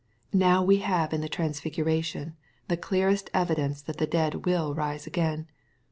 Now we have in the transfiguration the clearest evidence that the dead will rise again.